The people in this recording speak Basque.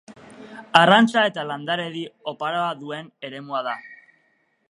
Arrantza eta landaredi oparoa duen eremua da.